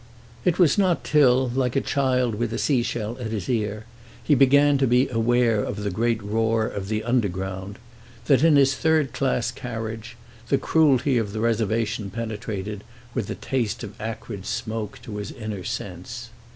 It was not till, like a child with a sea shell at his ear, he began to be aware of the great roar of the "underground," that, in his third class carriage, the cruelty of the reservation penetrated, with the taste of acrid smoke, to his inner sense.